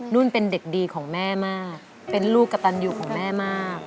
นุ่นเป็นเด็กดีของแม่มากเป็นลูกกระตันอยู่ของแม่มาก